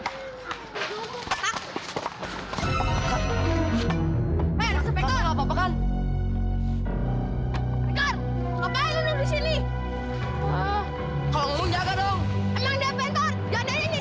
oh emang apapun ya malah begini